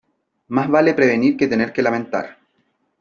Más vale prevenir que tener que lamentar.